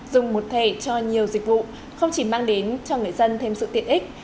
dùng một thẻ cho nhiều dịch vụ không chỉ mang đến cho người dân thêm sự tiện ích